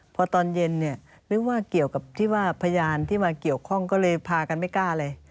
พอตอนเย็นเนี่ยนึกว่าเกี่ยวกับที่ว่าพยานที่มาเกี่ยวข้องก็เลยพากันไม่กล้าเลย